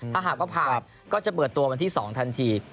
ถ้าหากว่าผ่านก็จะเปิดตัววันที่๒ทันที